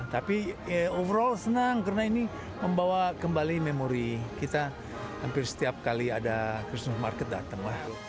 tapi overall senang karena ini membawa kembali memori kita hampir setiap kali ada christmas market datang